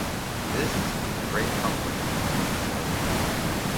"This is a great comfort," he said.